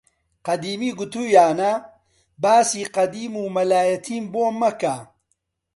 قەدیمی گوتوویانە باسی قەدیم و مەلایەتیم بۆ مەکە!